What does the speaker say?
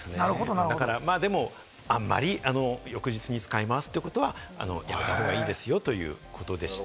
だから、あんまり翌日に使い回すことはやらない方がいいですよということでした。